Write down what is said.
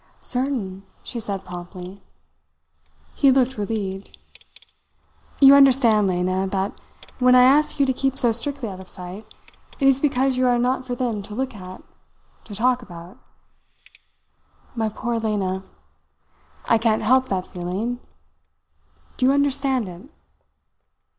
"Certain," she said promptly. He looked relieved. "You understand, Lena, that when I ask you to keep so strictly out of sight, it is because you are not for them to look at to talk about. My poor Lena! I can't help that feeling. Do you understand it?"